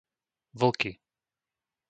Vlky